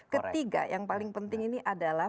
ketiga yang paling penting ini adalah